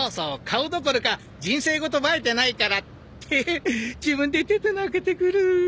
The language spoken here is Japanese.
顔どころか人生ごと映えてないからって自分で言ってて泣けてくる。